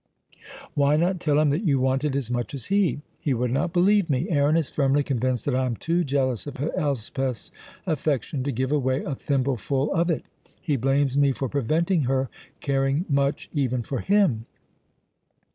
"Why not tell him that you want it as much as he?" "He would not believe me. Aaron is firmly convinced that I am too jealous of Elspeth's affection to give away a thimbleful of it. He blames me for preventing her caring much even for him."